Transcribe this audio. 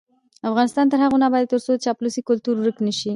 افغانستان تر هغو نه ابادیږي، ترڅو د چاپلوسۍ کلتور ورک نشي.